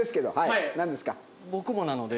僕もなので。